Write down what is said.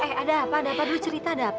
eh ada apa ada apa dulu cerita